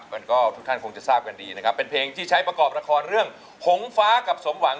มันก็ทุกท่านคงจะทราบกันดีนะครับเป็นเพลงที่ใช้ประกอบละครเรื่องผงฟ้ากับสมหวัง